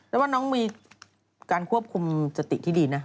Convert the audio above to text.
แล้วว่าน้องมีการควบคุมสติที่ดีนะ